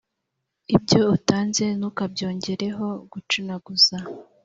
ibyo utanze ntukabyongereho gucunaguza.